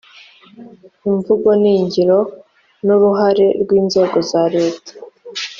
imvugo n’ingiro n’uruhare rw’inzego za leta,